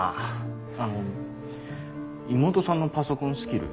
あの妹さんのパソコンスキル